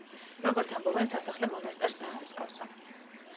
როგორც ამბობენ სასახლე მონასტერს დაამსგავსა.